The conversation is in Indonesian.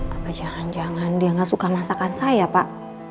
apa jangan jangan dia nggak suka masakan saya pak